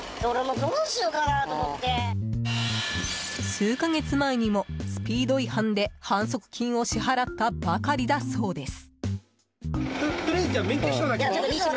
数か月前にもスピード違反で反則金を支払ったばかりだそうです。